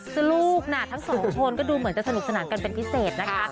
ซึ่งลูกน่ะทั้งสองคนก็ดูเหมือนจะสนุกสนานกันเป็นพิเศษนะคะ